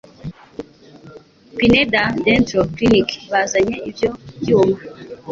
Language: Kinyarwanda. Pineda Dental Clinic bazanye ibyo byuma